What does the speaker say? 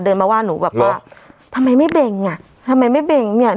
เดินมาว่าหนูแบบว่าทำไมไม่เบ่งอ่ะทำไมไม่เบ่งเนี้ย